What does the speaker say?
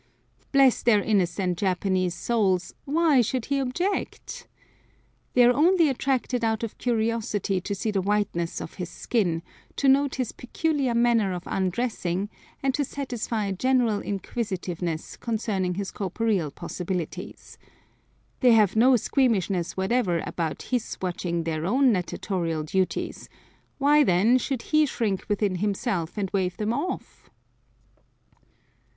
Bless their innocent Japanese souls! why should he object. They are only attracted out of curiosity to see the whiteness of his skin, to note his peculiar manner of undressing, and to satisfy a general inquisitiveness concerning his corporeal possibilities. They have no squeamishness whatever about his watching their own natatorial duties; why, then, should he shrink within himself and wave them off?